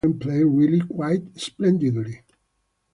Made those children play really quite splendidly.